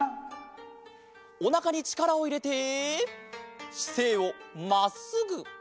おなかにちからをいれてしせいをまっすぐ！